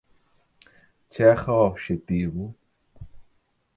Chega o obxectivo.